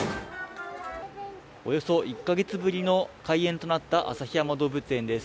およそ１か月ぶりの開園となった旭山動物園です。